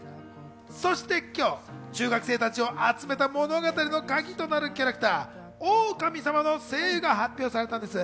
そして今日、中学生たちを集めた物語のカギとなるキャラクター、オオカミさまの声優が発表されたんです。